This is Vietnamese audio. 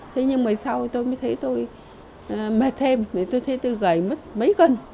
thế nhưng mà sau tôi mới thấy tôi mệt thêm tôi thấy tôi gầy mất mấy cân